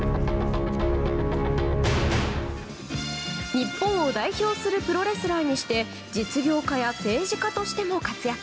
日本を代表するプロレスラーにして実業家や政治家としても活躍。